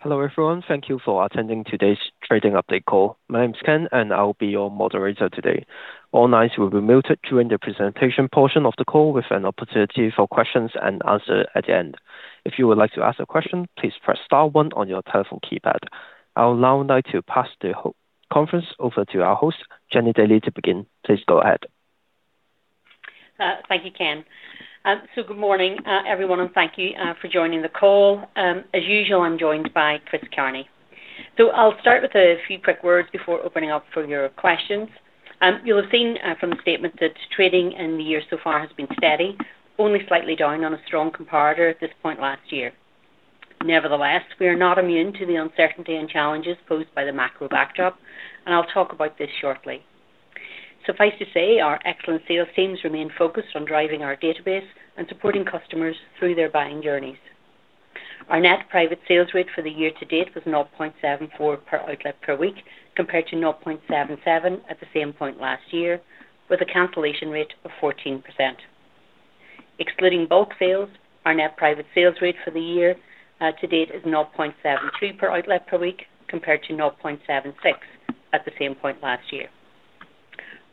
Hello, everyone. Thank you for attending today's trading update call. My name is Ken, and I'll be your moderator today. All lines will be muted during the presentation portion of the call with an opportunity for questions and answer at the end. If you would like to ask a question, please press star one on your telephone keypad. I'll now like to pass the conference over to our host, Jennie Daly, to begin. Please go ahead. Thank you, Ken. Good morning, everyone, and thank you for joining the call. As usual, I'm joined by Chris Carney. I'll start with a few quick words before opening up for your questions. You'll have seen from the statement that trading in the year so far has been steady, only slightly down on a strong comparator at this point last year. Nevertheless, we are not immune to the uncertainty and challenges posed by the macro backdrop, and I'll talk about this shortly. Suffice to say, our excellent sales teams remain focused on driving our database and supporting customers through their buying journeys. Our net private sales rate for the year-to-date was 0.74 per outlet per week, compared to 0.77 at the same point last year, with a cancellation rate of 14%. Excluding bulk sales, our net private sales rate for the year-to-date is 0.72 per outlet per week, compared to 0.76 at the same point last year.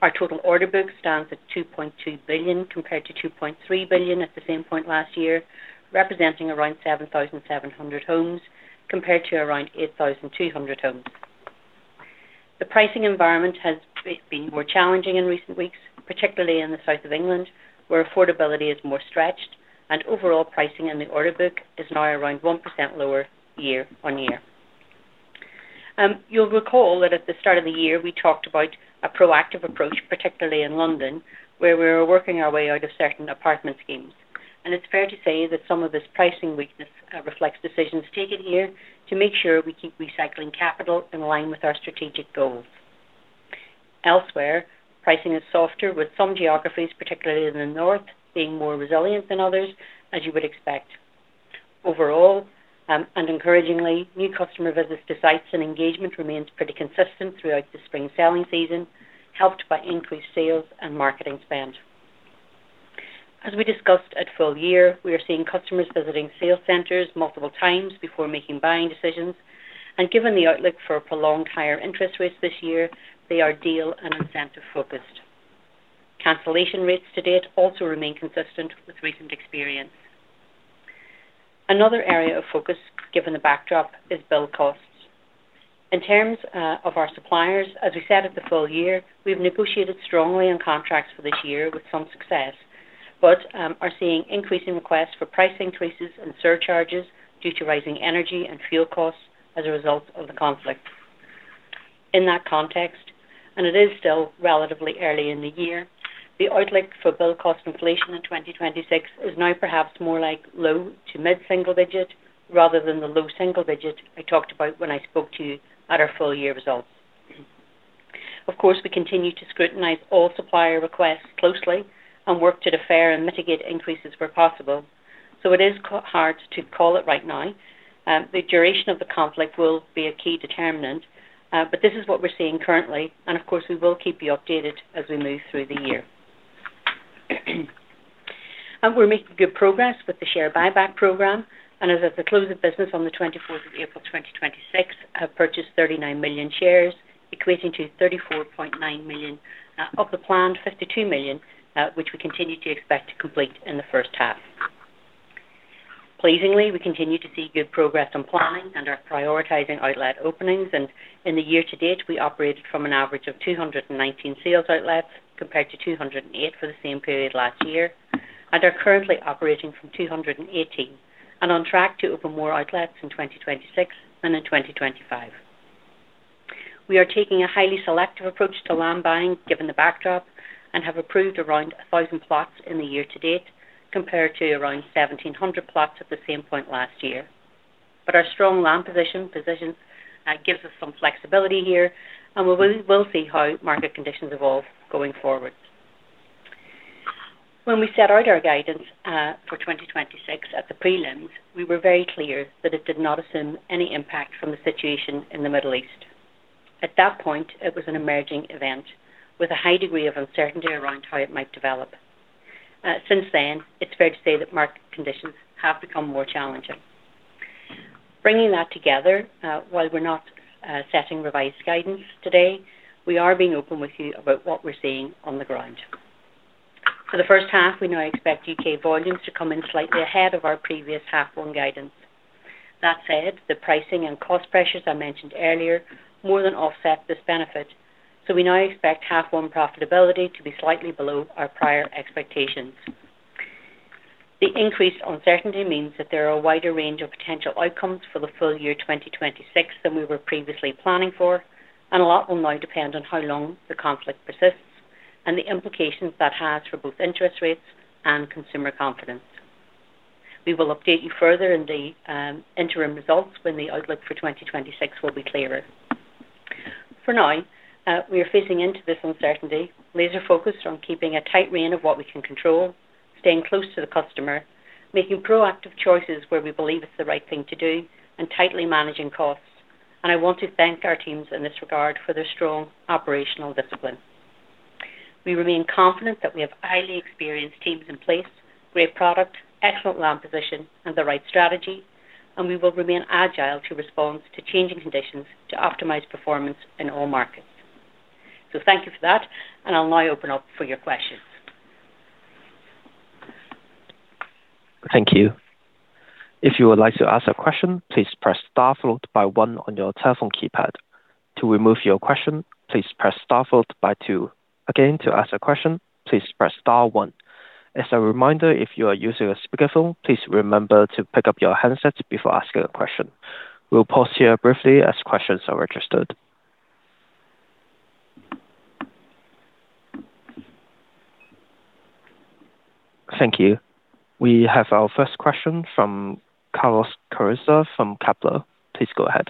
Our total order book stands at 2.2 billion compared to 2.3 billion at the same point last year, representing around 7,700 homes compared to around 8,200 homes. The pricing environment has been more challenging in recent weeks, particularly in the south of England, where affordability is more stretched and overall pricing in the order book is now around 1% lower year-on-year. You'll recall that at the start of the year, we talked about a proactive approach, particularly in London, where we were working our way out of certain apartment schemes. It's fair to say that some of this pricing weakness reflects decisions taken here to make sure we keep recycling capital in line with our strategic goals. Elsewhere, pricing is softer, with some geographies, particularly in the North, being more resilient than others, as you would expect. Overall, encouragingly, new customer visits to sites and engagement remains pretty consistent throughout the spring selling season, helped by increased sales and marketing spend. As we discussed at full-year, we are seeing customers visiting sales centers multiple times before making buying decisions, and given the outlook for prolonged higher interest rates this year, they are deal and incentive focused. Cancellation rates to date also remain consistent with recent experience. Another area of focus, given the backdrop, is build costs. In terms of our suppliers, as we said at the full-year, we've negotiated strongly on contracts for this year with some success, but are seeing increasing requests for price increases and surcharges due to rising energy and fuel costs as a result of the conflict. In that context, and it is still relatively early in the year, the outlook for build cost inflation in 2026 is now perhaps more like low- to mid-single-digit% rather than the low single-digit% I talked about when I spoke to you at our full-year results. Of course, we continue to scrutinize all supplier requests closely and work to defer and mitigate increases where possible. It is hard to call it right now. The duration of the conflict will be a key determinant, but this is what we're seeing currently, and of course, we will keep you updated as we move through the year. We're making good progress with the share buyback program, and as of the close of business on the 24th of April 2026, have purchased 39 million shares, equating to 34.9 million of the planned 52 million, which we continue to expect to complete in the first half. Pleasingly, we continue to see good progress on planning and are prioritizing outlet openings. In the year-to-date, we operated from an average of 219 sales outlets, compared to 208 for the same period last year, and are currently operating from 218 and on track to open more outlets in 2026 than in 2025. We are taking a highly selective approach to land buying given the backdrop and have approved around 1,000 plots in the year-to-date, compared to around 1,700 plots at the same point last year. Our strong land position gives us some flexibility here, and we'll see how market conditions evolve going forward. When we set out our guidance for 2026 at the prelims, we were very clear that it did not assume any impact from the situation in the Middle East. At that point, it was an emerging event with a high degree of uncertainty around how it might develop. Since then, it's fair to say that market conditions have become more challenging. Bringing that together, while we're not setting revised guidance today, we are being open with you about what we're seeing on the ground. For the first half, we now expect U.K. volumes to come in slightly ahead of our previous half one guidance. That said, the pricing and cost pressures I mentioned earlier more than offset this benefit. We now expect half one profitability to be slightly below our prior expectations. The increased uncertainty means that there are a wider range of potential outcomes for the full-year 2026 than we were previously planning for, and a lot will now depend on how long the conflict persists and the implications that has for both interest rates and consumer confidence. We will update you further in the interim results when the outlook for 2026 will be clearer. For now, we are facing into this uncertainty, laser-focused on keeping a tight rein of what we can control, staying close to the customer, making proactive choices where we believe it's the right thing to do, and tightly managing costs. I want to thank our teams in this regard for their strong operational discipline. We remain confident that we have highly experienced teams in place, great product, excellent land position and the right strategy, and we will remain agile to respond to changing conditions to optimize performance in all markets. Thank you for that, and I'll now open up for your questions. Thank you. If you would like to ask a question please press star followed by one on your telephone keypad. To remove your question, please press star followed by two. Again to ask a question please press star one. As a reminder if you are using a speakerphone, please remember to pick up your headset before you ask a question. We'll pause here briefly as questions are registered. We have our first question from Carlos Carrizo from Kepler. Please go ahead.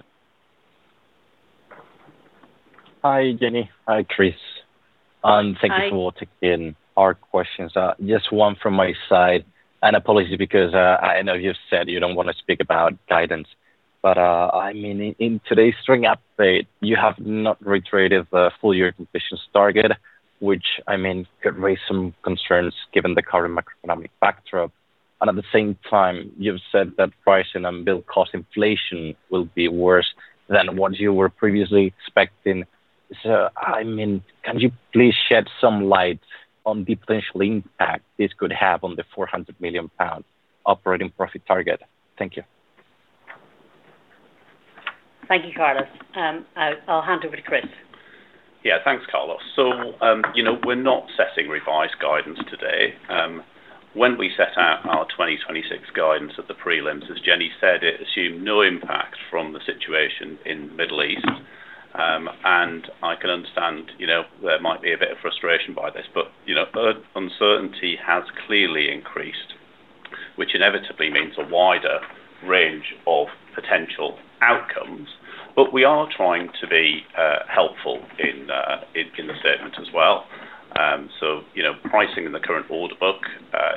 Hi, Jennie. Hi, Chris. Hi. Thank you for taking our questions. Just one from my side. Apologies because I know you've said you don't want to speak about guidance, but I mean, in today's trading update, you have not reiterated the full-year completions target, which, I mean, could raise some concerns given the current macroeconomic backdrop. At the same time, you've said that pricing and build cost inflation will be worse than what you were previously expecting. I mean, can you please shed some light on the potential impact this could have on the 400 million pound operating profit target? Thank you. Thank you, Carlos. I'll hand over to Chris. Yeah. Thanks, Carlos. We're not setting revised guidance today. When we set out our 2026 guidance at the prelims, as Jennie said, it assumed no impact from the situation in Middle East. I can understand, you know, there might be a bit of frustration by this, but, you know, uncertainty has clearly increased, which inevitably means a wider range of potential outcomes. We are trying to be helpful in the statement as well. Pricing in the current order book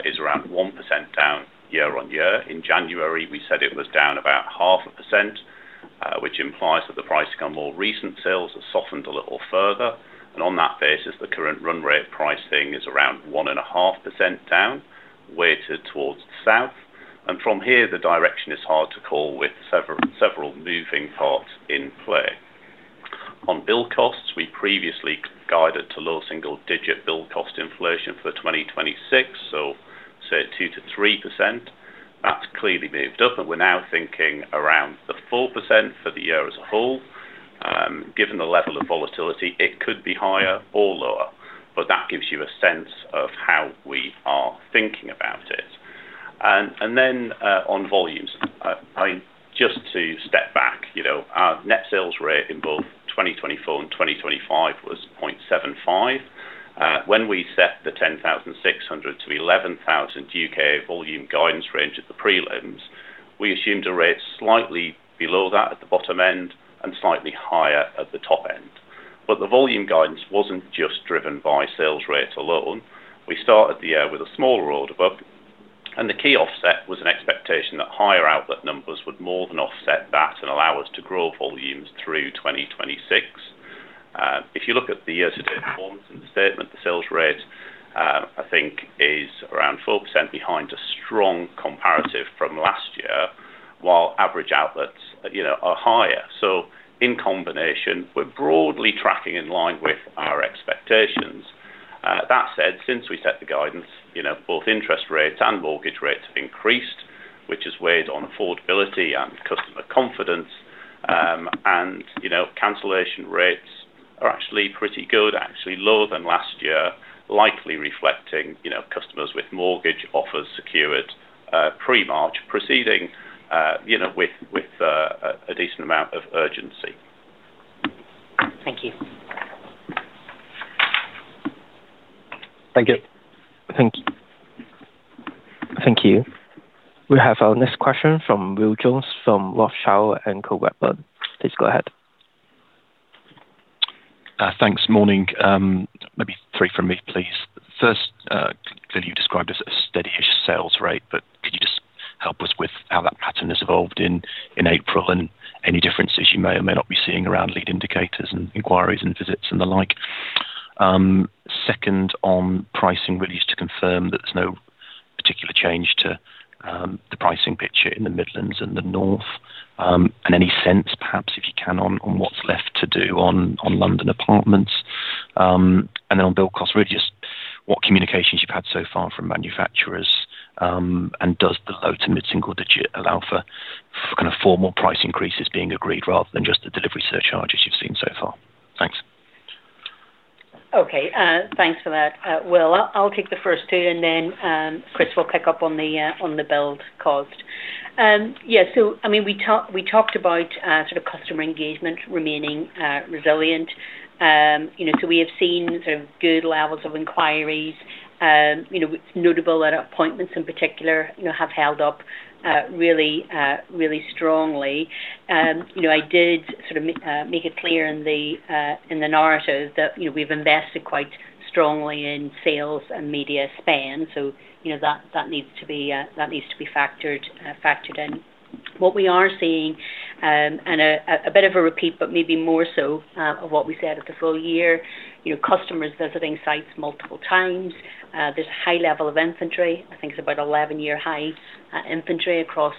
is around 1% down year-on-year. In January, we said it was down about half a percent, which implies that the price on more recent sales has softened a little further. On that basis, the current run rate pricing is around one and a half percent down, weighted towards south. From here, the direction is hard to call with several moving parts in play. On build costs, we previously guided to low single-digit build cost inflation for 2026, so say 2%-3%. That's clearly moved up, and we're now thinking around 4% for the year as a whole. Given the level of volatility, it could be higher or lower, but that gives you a sense of how we are thinking about it. Then on volumes. Just to step back, you know, our net sales rate in both 2024 and 2025 was 0.75. When we set the 10,600-11,000 U.K. volume guidance range at the prelims, we assumed a rate slightly below that at the bottom end and slightly higher at the top end. The volume guidance wasn't just driven by sales rate alone. We started the year with a smaller order book, and the key offset was an expectation that higher outlet numbers would more than offset that and allow us to grow volumes through 2026. If you look at the year-to-date performance in the statement, the sales rate, I think, is around 4% behind a strong comparative from last year, while average outlets, you know, are higher. In combination, we're broadly tracking in line with our expectations. That said, since we set the guidance, you know, both interest rates and mortgage rates have increased, which has weighed on affordability and customer confidence. You know, cancellation rates are actually pretty good, actually lower than last year, likely reflecting, you know, customers with mortgage offers secured pre-March, proceeding you know, with a decent amount of urgency. Thank you. Thank you. Thank you. We have our next question from Will Jones from Rothschild & Co Redburn. Please go ahead. Thanks. Morning. Maybe three from me, please. First, Jennie, you described as a steady-ish sales rate, but could you just help us with how that pattern has evolved in April and any differences you may or may not be seeing around lead indicators and inquiries and visits and the like? Second, on pricing, would you just confirm that there's no particular change to the pricing picture in the Midlands and the North? And any sense, perhaps, if you can, on what's left to do on London apartments. And then on build cost, really just what communications you've had so far from manufacturers, and does the low- to mid-single-digit allow for kind of formal price increases being agreed rather than just the delivery surcharges you've seen so far? Thanks. Okay. Thanks for that, Will. I'll take the first two, and then Chris will pick up on the build cost. Yeah. I mean, we talked about sort of customer engagement remaining resilient. You know, we have seen sort of good levels of inquiries. You know, it's notable that appointments in particular, you know, have held up really strongly. You know, I did sort of make it clear in the narrative that, you know, we've invested quite strongly in sales and media spend. You know, that needs to be factored in. What we are seeing, and a bit of a repeat, but maybe more so, of what we said at the full-year, you know, customers visiting sites multiple times. There's a high level of inventory. I think it's about 11-year high, inventory across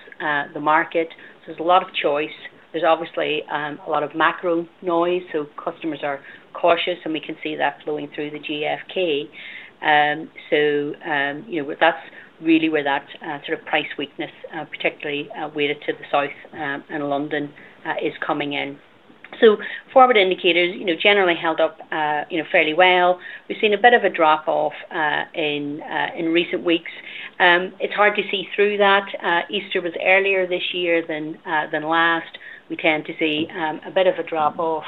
the market. There's a lot of choice. There's obviously a lot of macro noise, so customers are cautious, and we can see that flowing through the GfK. You know, that's really where that sort of price weakness, particularly weighted to the south, and London, is coming in. Forward indicators, you know, generally held up, you know, fairly well. We've seen a bit of a drop-off in recent weeks. It's hard to see through that. Easter was earlier this year than last. We tend to see a bit of a drop-off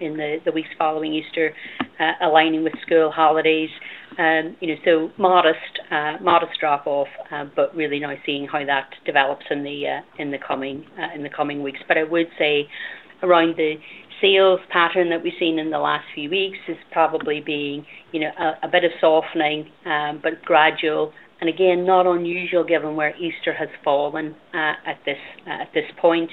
in the weeks following Easter, aligning with school holidays. You know, so modest drop-off, but really now seeing how that develops in the coming weeks. I would say around the sales pattern that we've seen in the last few weeks is probably being, you know, a bit of softening, but gradual, and again, not unusual given where Easter has fallen at this point.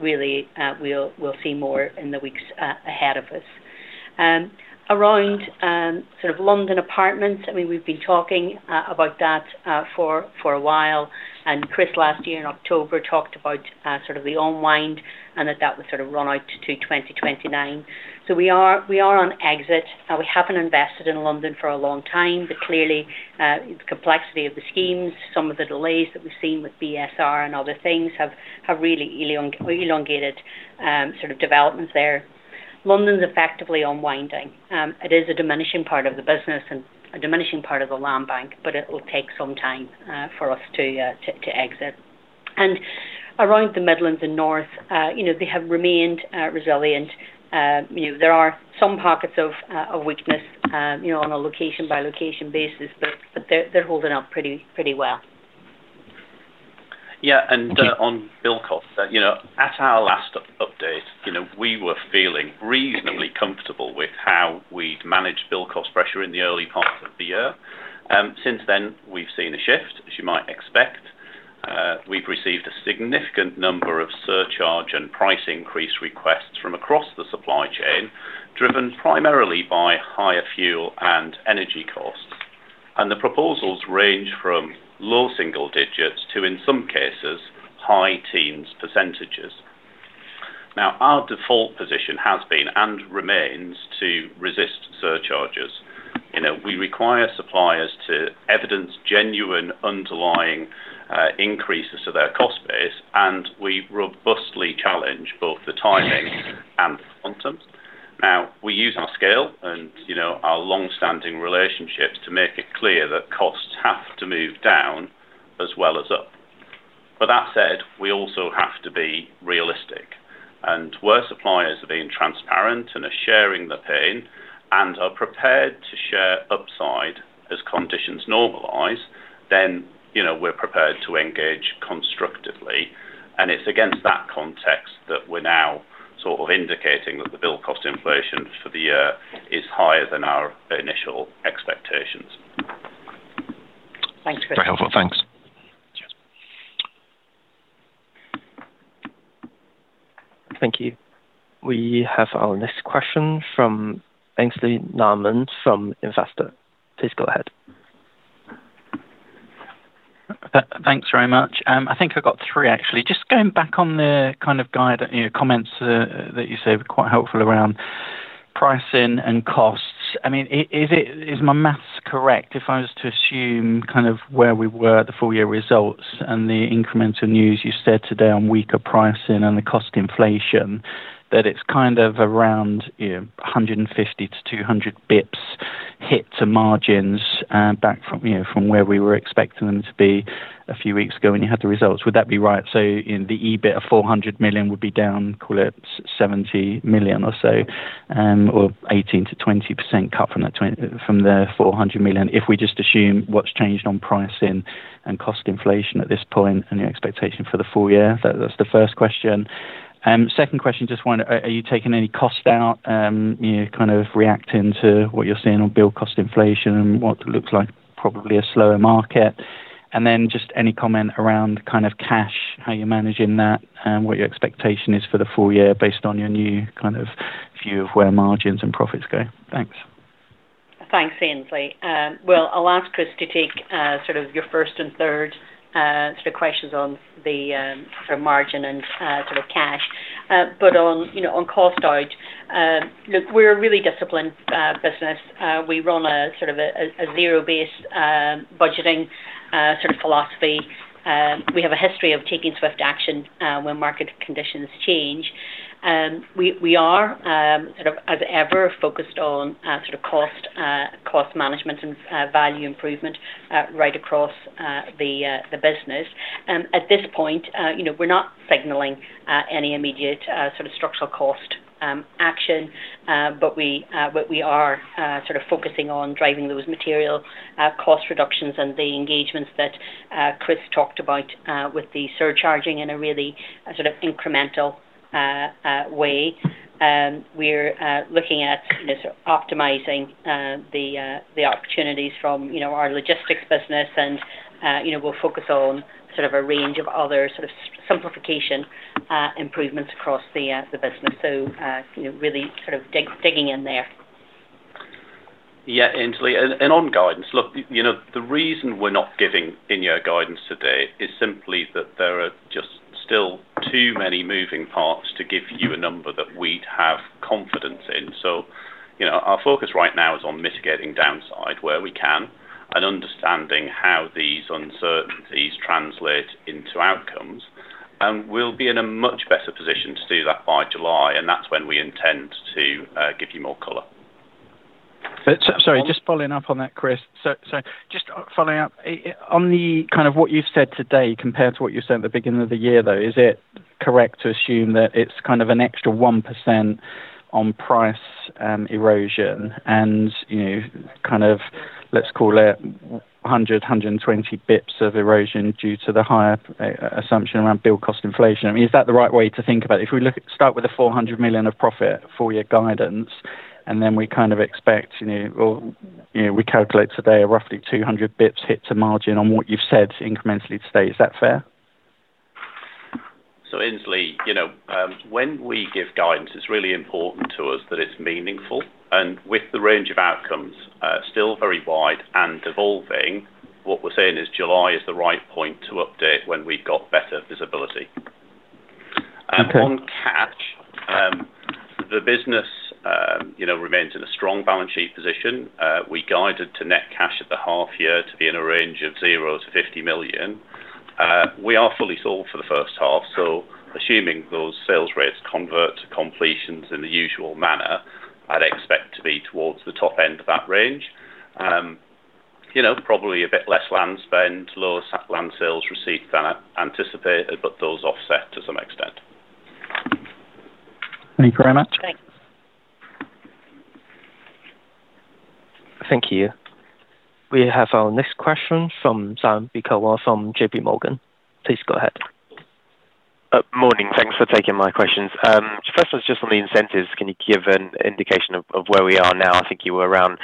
Really, we'll see more in the weeks ahead of us. Around sort of London apartments, I mean, we've been talking about that for a while, and Chris last year in October talked about sort of the unwind and that would sort of run out to 2029. We are on exit, and we haven't invested in London for a long time. Clearly, the complexity of the schemes, some of the delays that we've seen with BSR and other things have really elongated sort of developments there. London's effectively unwinding. It is a diminishing part of the business and a diminishing part of the land bank, but it will take some time for us to exit. Around the Midlands and North, you know, they have remained resilient. You know, there are some pockets of weakness, you know, on a location-by-location basis, but they're holding up pretty well. Yeah. On build cost, you know, at our last update, you know, we were feeling reasonably comfortable with how we'd manage build cost pressure in the early part of the year. Since then, we've seen a shift, as you might expect. We've received a significant number of surcharge and price increase requests from across the supply chain, driven primarily by higher fuel and energy costs. The proposals range from low single digits to, in some cases, high teens percentages. Our default position has been and remains to resist surcharges. You know, we require suppliers to evidence genuine underlying increases to their cost base, and we robustly challenge both the timing and the quantums. We use our scale and, you know, our long-standing relationships to make it clear that costs have to move down as well as up. That said, we also have to be realistic. Where suppliers are being transparent and are sharing the pain and are prepared to share upside as conditions normalize, then, you know, we're prepared to engage constructively. It's against that context that we're now sort of indicating that the bill cost inflation for the year is higher than our initial expectations. Thanks, Chris. Very helpful. Thanks. Cheers. Thank you. We have our next question from Aynsley Lammin from Investec. Please go ahead. Thanks very much. I think I've got three, actually. Just going back on the kind of guidance, you know, comments that you said were quite helpful around pricing and costs. I mean, is my math correct, if I was to assume kind of where we were at the full-year results and the incremental news you said today on weaker pricing and the cost inflation, that it's kind of around, you know, 150-200 basis points hit to margins, back from, you know, from where we were expecting them to be a few weeks ago when you had the results. Would that be right? So in the EBIT of 400 million would be down, call it 70 million or so, or 18%-20% cut from the 400 million. If we just assume what's changed on pricing and cost inflation at this point and your expectation for the full-year? That's the first question. Second question, I just wonder, are you taking any cost out, you know, kind of reacting to what you're seeing on build cost inflation and what looks like probably a slower market? Then just any comment around kind of cash, how you're managing that and what your expectation is for the full-year based on your new kind of view of where margins and profits go. Thanks. Thanks, Aynsley. Well, I'll ask Chris to take sort of your first and third sort of questions on the sort of margin and sort of cash. But on, you know, on cost out, look, we're a really disciplined business. We run a sort of a zero-based budgeting sort of philosophy. We have a history of taking swift action when market conditions change. We are sort of as ever focused on sort of cost management and value improvement right across the business. At this point, you know, we're not signaling any immediate sort of structural cost action, but we are sort of focusing on driving those material cost reductions and the engagements that Chris talked about with the surcharging in a really sort of incremental way. We're looking to optimize the opportunities from, you know, our logistics business and, you know, we'll focus on sort of a range of other sort of simplification improvements across the business. You know, really sort of digging in there. Yeah, Aynsley. On guidance, look, you know, the reason we're not giving any guidance today is simply that there are just still too many moving parts to give you a number that we'd have confidence in. You know, our focus right now is on mitigating downside where we can and understanding how these uncertainties translate into outcomes. We'll be in a much better position to do that by July, and that's when we intend to give you more color. Sorry, just following up on that, Chris. Just following up on what you've said today compared to what you said at the beginning of the year, though, is it correct to assume that it's kind of an extra 1% on price erosion and, you know, kind of, let's call it, 120 basis points of erosion due to the higher assumption around build cost inflation? I mean, is that the right way to think about it? Start with the 400 million of profit full-year guidance, and then we kind of expect, you know. Well, you know, we calculate today roughly 200 basis points hit to margin on what you've said incrementally today. Is that fair? Aynsley, you know, when we give guidance, it's really important to us that it's meaningful. With the range of outcomes, still very wide and evolving, what we're saying is July is the right point to update when we've got better visibility. Okay. On cash, the business, you know, remains in a strong balance sheet position. We guided to net cash at the half year to be in a range of 0 million-50 million. We are fully sold for the first half, so assuming those sales rates convert to completions in the usual manner, I'd expect to be towards the top end of that range. You know, probably a bit less land spend, lower land sales received than anticipated, but those offset to some extent. Thank you very much. Thanks. Thank you. We have our next question from Zaim Beekawa from JPMorgan. Please go ahead. Morning. Thanks for taking my questions. First one is just on the incentives. Can you give an indication of where we are now? I think you were around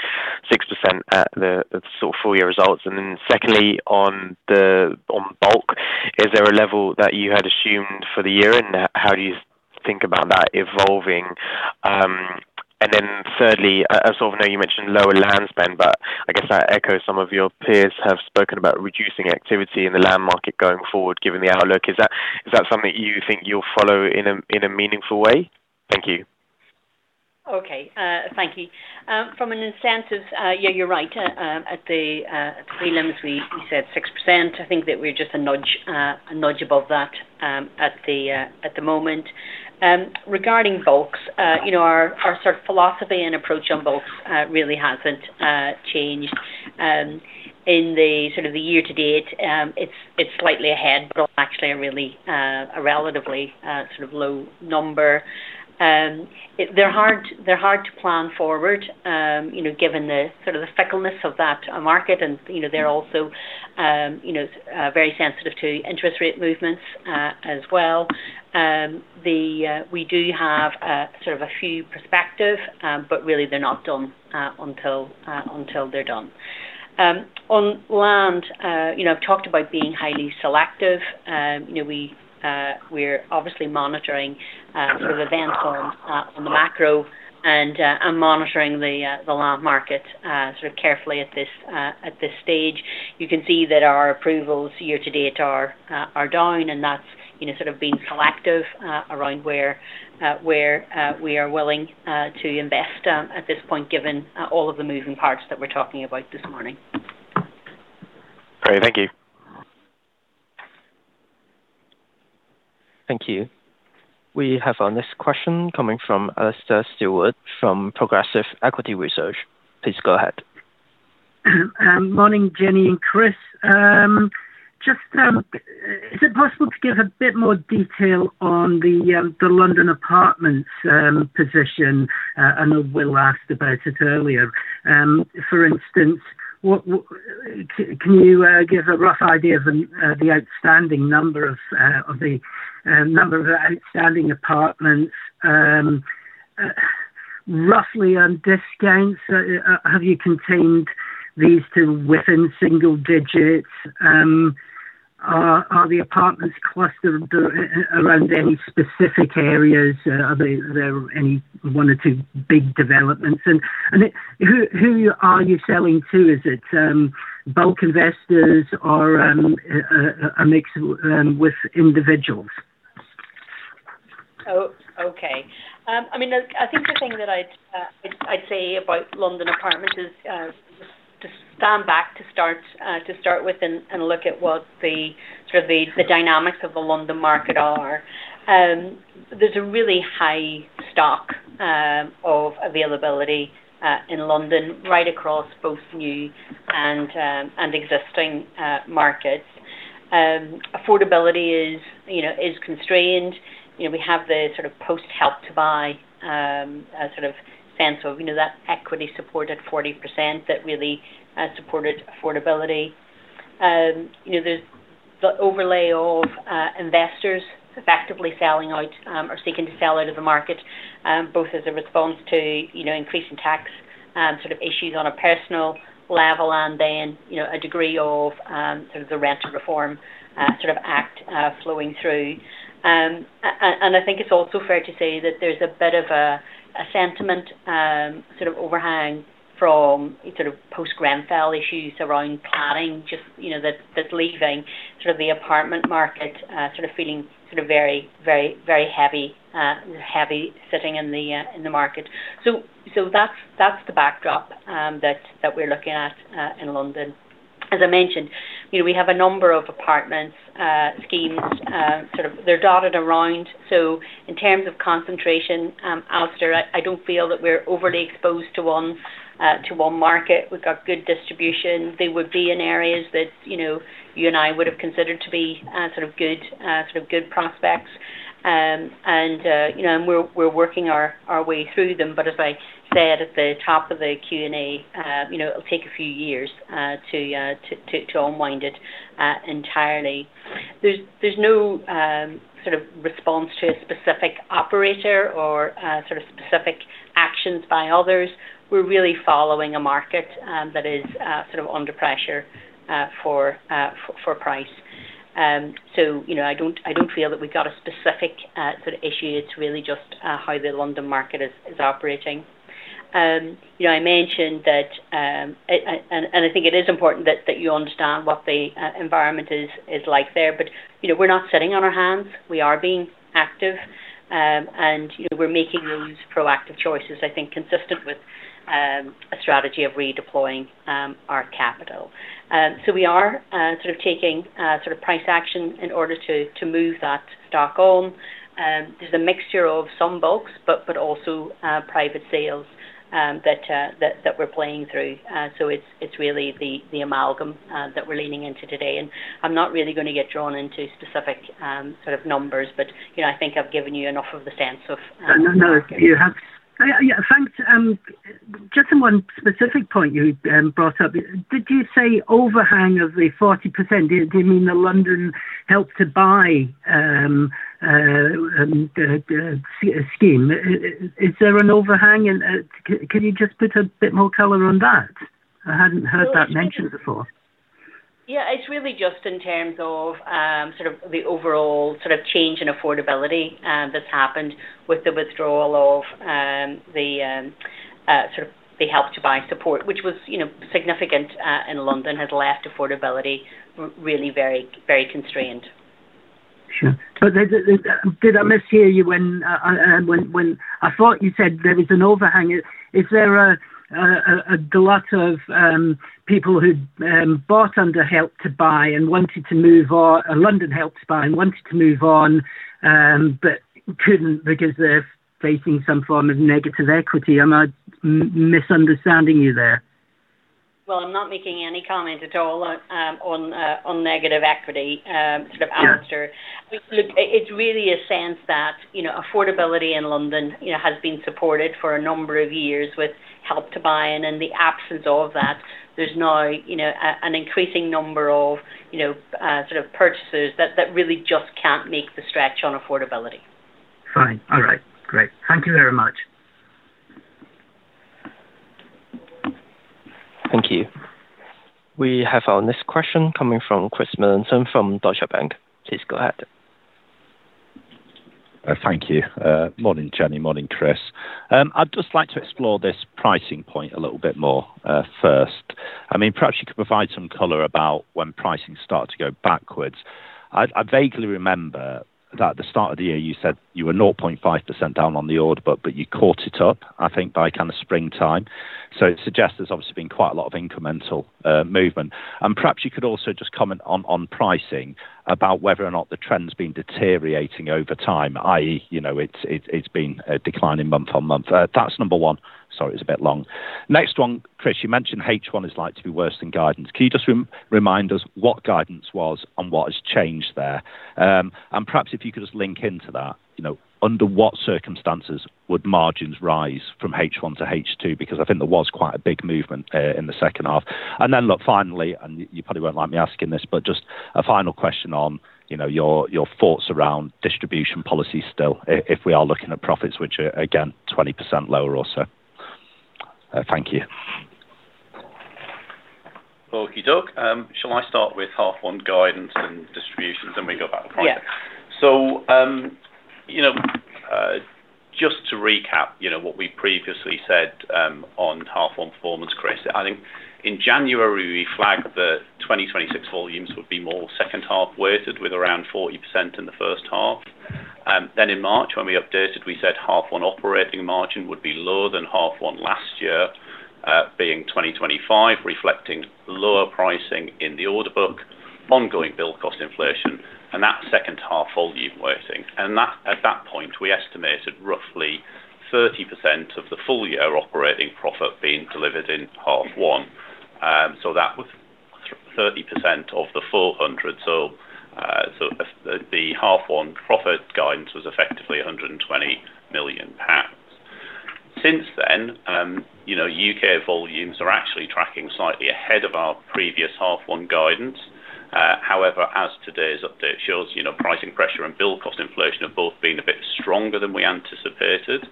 6% at the sort of full-year results. Then secondly, on bulk, is there a level that you had assumed for the year, and how do you think about that evolving? Then thirdly, I sort of know you mentioned lower land spend, but I guess I echo some of your peers have spoken about reducing activity in the land market going forward, given the outlook. Is that something you think you'll follow in a meaningful way? Thank you. Thank you. From an incentives, yeah, you're right. At the prelims, we said 6%. I think that we're just a nudge above that at the moment. Regarding bulks, you know, our sort of philosophy and approach on bulks really hasn't changed. In the sort of the year-to-date, it's slightly ahead, but actually a relatively sort of low number. They're hard to plan forward, you know, given the sort of the fickleness of that market and, you know, they're also very sensitive to interest rate movements, as well. We do have sort of a few perspectives, but really they're not done until they're done. On land, you know, I've talked about being highly selective. You know, we're obviously monitoring sort of events on the macro and monitoring the land market sort of carefully at this stage. You can see that our approvals year-to-date are down, and that's you know sort of being selective around where we are willing to invest at this point, given all of the moving parts that we're talking about this morning. Great. Thank you. Thank you. We have our next question coming from Alastair Stewart from Progressive Equity Research. Please go ahead. Morning, Jennie and Chris. Just, is it possible to give a bit more detail on the London apartments position? I know Will asked about it earlier. For instance, can you give a rough idea of the outstanding number of outstanding apartments? Roughly on discounts, have you contained these to within single-digits? Are the apartments clustered around any specific areas? Are there any one or two big developments? Who are you selling to? Is it bulk investors or a mix with individuals? Oh, okay. I mean, look, I think the thing that I'd say about London apartments is just to stand back to start with and look at what the sort of dynamics of the London market are. There's a really high stock of availability in London, right across both new and existing markets. Affordability is, you know, constrained. You know, we have the sort of post-Help to Buy, a sort of sense of, you know, that equity support at 40% that really supported affordability. You know, there's the overlay of investors effectively selling out or seeking to sell out of the market, both as a response to you know, increasing tax sort of issues on a personal level and then, you know, a degree of sort of the Renters (Reform) Bill flowing through. I think it's also fair to say that there's a bit of a sentiment sort of overhang from sort of post-Grenfell issues around planning. You know, that's leaving the apartment market sort of feeling very heavy sitting in the market. That's the backdrop that we're looking at in London. As I mentioned, you know, we have a number of apartments, schemes, sort of they're dotted around. In terms of concentration, Alastair, I don't feel that we're overly exposed to one market. We've got good distribution. They would be in areas that, you know, you and I would have considered to be, sort of good prospects. You know, we're working our way through them. As I said at the top of the Q&A, you know, it'll take a few years to unwind it entirely. There's no sort of response to a specific operator or sort of specific actions by others. We're really following a market that is sort of under pressure for price. You know, I don't feel that we've got a specific sort of issue. It's really just how the London market is operating. You know, I mentioned that, and I think it is important that you understand what the environment is like there. You know, we're not sitting on our hands. We are being active. You know, we're making those proactive choices, I think, consistent with a strategy of redeploying our capital. We are sort of taking sort of price action in order to move that stock on. There's a mixture of some bulks, but also private sales that we're playing through. It's really the amalgam that we're leaning into today. I'm not really gonna get drawn into specific, sort of numbers. You know, I think I've given you enough of the sense of, No, no, you have. Yeah, thanks. Just on one specific point you brought up. Did you say overhang of the 40%? Do you mean the London Help to Buy scheme? Is there an overhang? Could you just put a bit more color on that? I hadn't heard that mentioned before. Yeah. It's really just in terms of sort of the overall sort of change in affordability that's happened with the withdrawal of sort of the Help to Buy support, which was, you know, significant in London, has left affordability really very, very constrained. Sure. Did I mishear you when I thought you said there is an overhang? Is there a glut of people who'd bought under London Help to Buy and wanted to move on, but couldn't because they're facing some form of negative equity? Am I misunderstanding you there? Well, I'm not making any comment at all on negative equity, sort of, Alastair. Yeah. Look, it's really a sense that, you know, affordability in London, you know, has been supported for a number of years with Help to Buy. In the absence of that, there's now, you know, an increasing number of, you know, sort of purchasers that really just can't make the stretch on affordability. Fine. All right. Great. Thank you very much. Thank you. We have our next question coming from Chris Millington from Deutsche Bank. Please go ahead. Thank you. Morning, Jennie. Morning, Chris. I'd just like to explore this pricing point a little bit more, first. I mean, perhaps you could provide some color about when pricing started to go backwards. I vaguely remember that at the start of the year, you said you were 0.5% down on the order book, but you caught it up, I think, by kind of springtime. It suggests there's obviously been quite a lot of incremental movement. Perhaps you could also just comment on pricing about whether or not the trend's been deteriorating over time, i.e., you know, it's been declining month-on-month. That's number one. Sorry, it's a bit long. Next one, Chris, you mentioned H1 is likely to be worse than guidance. Can you just remind us what guidance was and what has changed there? Perhaps if you could just link into that, you know, under what circumstances would margins rise from H1 to H2? Because I think there was quite a big movement in the second half. Look, finally, you probably won't like me asking this, but just a final question on, you know, your thoughts around distribution policy still, if we are looking at profits which are again 20% lower or so. Thank you. Okey-doke. Shall I start with half one guidance and distributions, and we go back to pricing? Yeah. You know, just to recap, you know, what we previously said on half one performance, Chris. I think in January, we flagged the 2026 volumes would be more second half weighted with around 40% in the first half. In March, when we updated, we said half one operating margin would be lower than half one last year, being 2025, reflecting lower pricing in the order book, ongoing build cost inflation and that second half volume weighting. That, at that point, we estimated roughly 30% of the full-year operating profit being delivered in half one. That was 30% of the 400 million. The half one profit guidance was effectively 120 million pounds. Since then, you know, U.K. volumes are actually tracking slightly ahead of our previous H1 guidance. However, as today's update shows, you know, pricing pressure and build cost inflation have both been a bit stronger than we anticipated.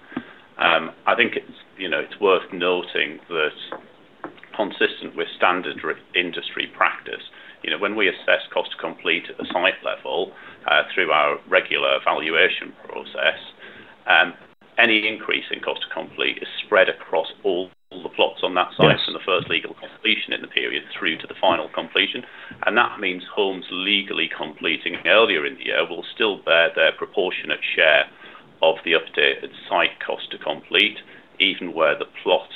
I think it's, you know, it's worth noting that consistent with standard real estate industry practice, you know, when we assess cost to complete at the site level, through our regular valuation process, any increase in cost to complete is spread across all the plots on that site. Yes. From the first legal completion in the period through to the final completion. That means homes legally completing earlier in the year will still bear their proportionate share of the updated site cost to complete, even where the plot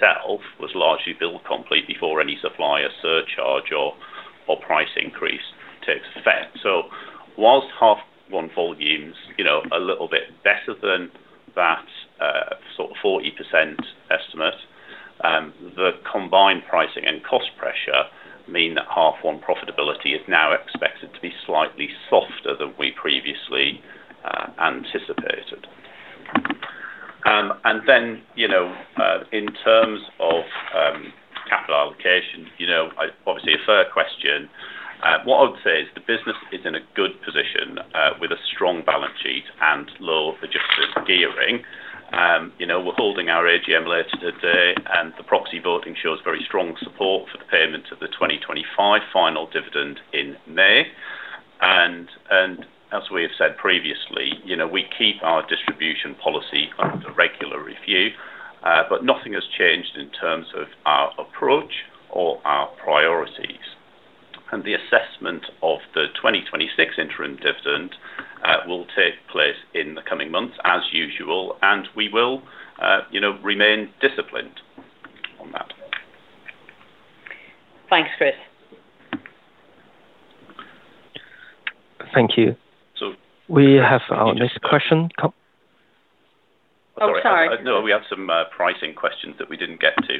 itself was largely built complete before any supplier surcharge or price increase takes effect. Whilst half one volumes, you know, are a little bit better than that sort of 40% estimate, the combined pricing and cost pressure mean that half one profitability is now expected to be slightly softer than we previously anticipated. In terms of capital allocation, you know, I obviously a fair question. What I would say is the business is in a good position with a strong balance sheet and lower net gearing. You know, we're holding our AGM later today, and the proxy voting shows very strong support for the payment of the 2025 final dividend in May. As we have said previously, you know, we keep our distribution policy under regular review, but nothing has changed in terms of our approach or our priorities. The assessment of the 2026 interim dividend will take place in the coming months as usual, and we will, you know, remain disciplined on that. Thanks, Chris. Thank you. So- We have our next question. Oh, sorry. No, we have some pricing questions that we didn't get to.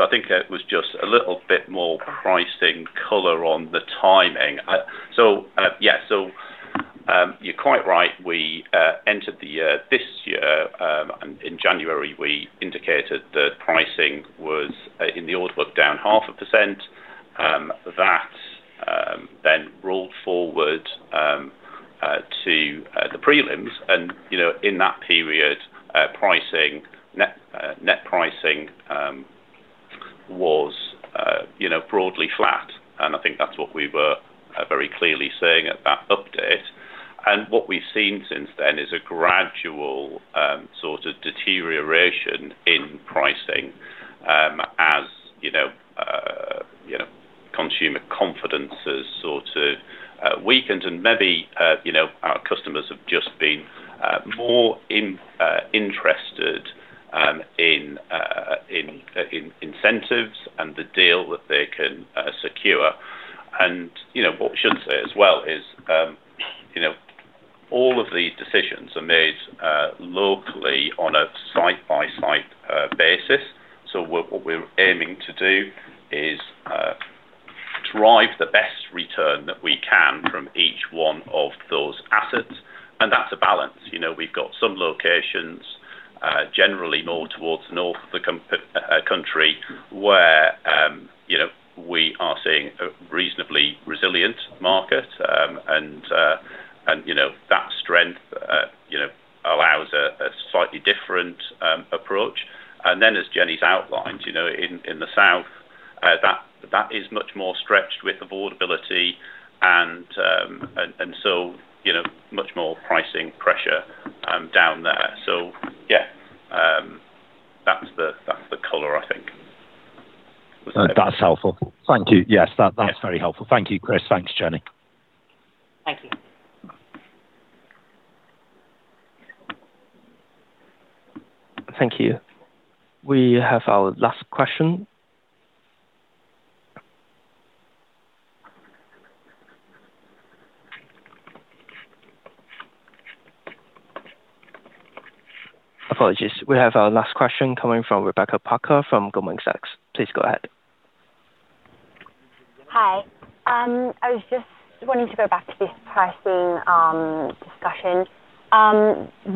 I think it was just a little bit more pricing color on the timing. Yeah. You're quite right. We entered this year in January. We indicated that pricing was in the order book down 0.5%. That then rolled forward to the prelims. You know, in that period, net pricing was, you know, broadly flat. I think that's what we were very clearly saying at that update. What we've seen since then is a gradual sort of deterioration in pricing, as you know, consumer confidence has sort of weakened. Maybe, you know, our customers have just been more interested in incentives and the deal that they can secure. You know, what we should say as well is, you know, all of these decisions are made locally on a site-by-site basis. What we're aiming to do is drive the best return that we can from each one of those assets, and that's a balance. You know, we've got some locations, generally more towards the north of the country, where, you know, we are seeing a reasonably resilient market. You know, that strength, you know, allows a slightly different approach. As Jennie's outlined, you know, in the south, that is much more stretched with affordability and so, you know, much more pricing pressure down there. Yeah, that's the color I think. That's helpful. Thank you. Yes, that's very helpful. Thank you, Chris. Thanks, Jennie. Thank you. Thank you. We have our last question. Apologies. We have our last question coming from Rebecca Parker from Goldman Sachs. Please go ahead. Hi. I was just wanting to go back to this pricing discussion.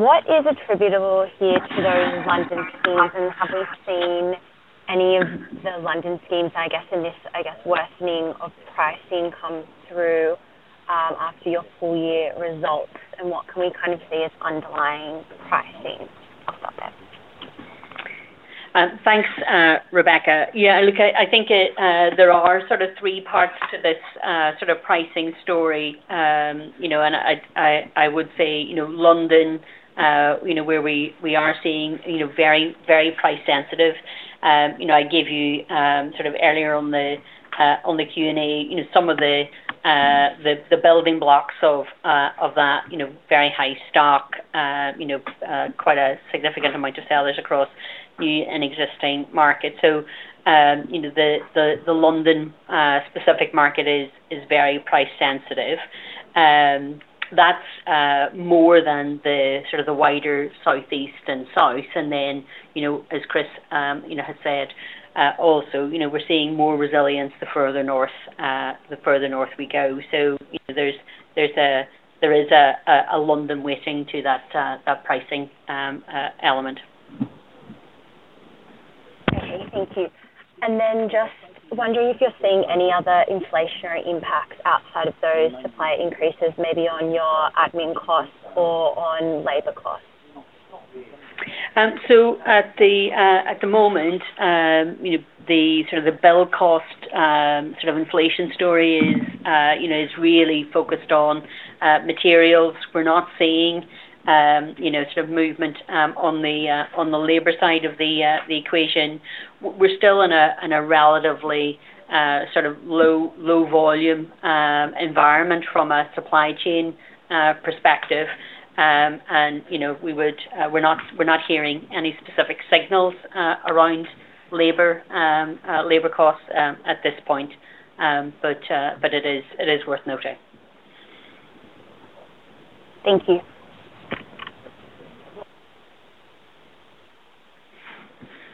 What is attributable here to those London schemes, and have we seen any of the London schemes, I guess, in this, I guess, worsening of pricing come through after your full-year results? What can we kind of see as underlying pricing off that then? Thanks, Rebecca. Yeah, look, I think there are sort of three parts to this sort of pricing story. You know, I would say, you know, London, you know, where we are seeing, you know, very price sensitive. You know, I gave you sort of earlier on the Q&A, you know, some of the building blocks of that, you know, very high stock, you know, quite a significant amount of sellers across the new and existing market. You know, the London specific market is very price sensitive. That's more than the sort of wider southeast and south. you know, as Chris has said, also, you know, we're seeing more resilience the further north we go. You know, there is a London weighting to that pricing element. Okay. Thank you. Just wondering if you're seeing any other inflationary impacts outside of those supplier increases, maybe on your admin costs or on labor costs? At the moment, you know, the sort of build cost sort of inflation story is, you know, really focused on materials. We're not seeing, you know, sort of movement on the labor side of the equation. We're still in a relatively sort of low volume environment from a supply chain perspective. We're not hearing any specific signals around labor costs at this point. It is worth noting. Thank you.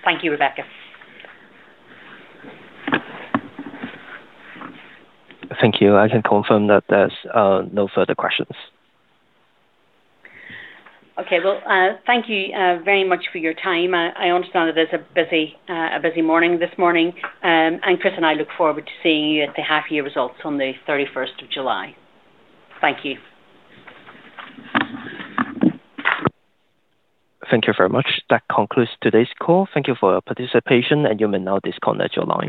Thank you, Rebecca. Thank you. I can confirm that there's no further questions. Okay. Well, thank you very much for your time. I understand that it is a busy morning this morning. Chris and I look forward to seeing you at the half year results on the 31st of July. Thank you. Thank you very much. That concludes today's call. Thank you for your participation, and you may now disconnect your line.